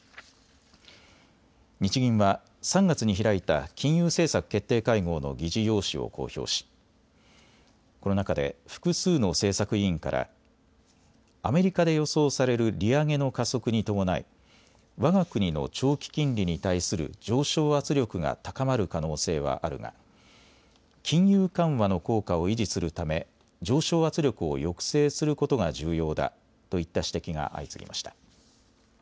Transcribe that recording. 日銀は３月に開いた金融政策決定会合の議事要旨を公表しこの中で複数の政策委員からアメリカで予想される利上げの加速に伴いわが国の長期金利に対する上昇圧力が高まる可能性はあるが金融緩和の効果を維持するため上昇圧力を抑制することが重要だといった指摘が相次ぎました。